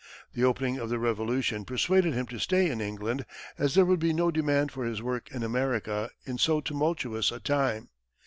The opening of the Revolution persuaded him to stay in England, as there would be no demand for his work in America in so tumultuous a time.